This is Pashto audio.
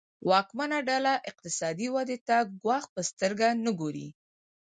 واکمنه ډله اقتصادي ودې ته ګواښ په سترګه نه ګوري.